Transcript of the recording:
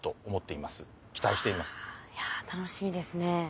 いや楽しみですね。